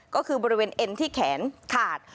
ก็คือบริเวณเอ็นที่แขนขาด